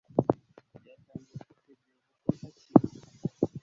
yatangira kwitegura ubukwe hakiri